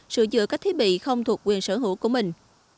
sửa chữa các thiết bị không thuộc quyền sở hữu của mình